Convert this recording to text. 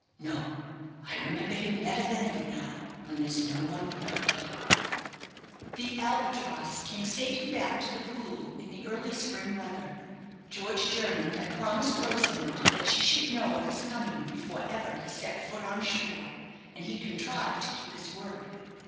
No, I remember him better than ever now, when there's no one but me." The "Albatross" came safely back to the Pool in the early spring weather. George Jernam had promised Rosamond that she should know of his coming before ever he set foot on shore, and he contrived to keep his word.